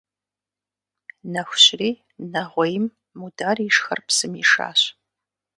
Нэху щыри нэгъуейм Мудар ишхэр псым ишащ.